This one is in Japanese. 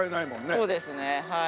そうですねはい。